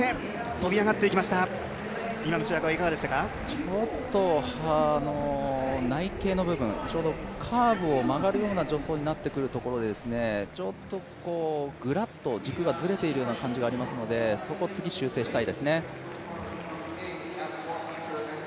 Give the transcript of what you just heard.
ちょっと内傾の部分、カーブを曲がるような助走になってくるところでちょっとグラッと軸がずれているような感じがありますのでそこ、次修正したいですね。